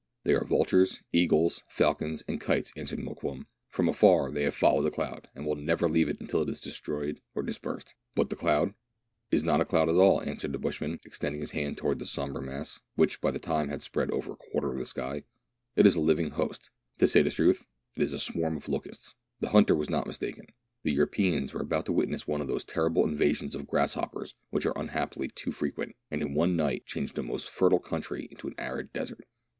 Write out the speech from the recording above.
" They are vultures, eagles, falcons, and kites," answered Mokoum, "from afar they have followed the cloud, and will never leave it until it is destroyed or dispersed." "But the cloud?" " Is not a cloud at all," answered the bushman, extending his hand towards the sombre mass, which by this time had THREE ENGLISHMEN AND THREE RUSSIANS. 163 spread over a. quarter of the sky. It is a living host ; to say the truth, it is a swarm of locusts." The hunter was not mistaken. The Europeans were about to witness one of those terrible invasions of grass hoppers which are unhappily too frequent, and in one night change the most fertile country into an arid desert.